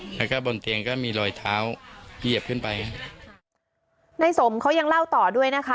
แล้วก็บนเตียงก็มีรอยเท้าเหยียบขึ้นไปในสมเขายังเล่าต่อด้วยนะคะ